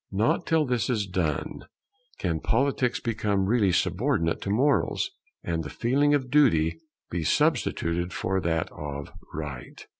Not till this is done can Politics become really subordinate to Morals, and the feeling of Duty be substituted for that of Right.